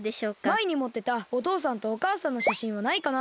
まえにもってたおとうさんとおかあさんのしゃしんはないかな。